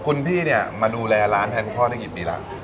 คุณพี่เนี่ยมาดูแลร้านแทนคุณพ่อได้กี่ปีแล้ว